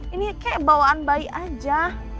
ini kayak bawaan bayi aja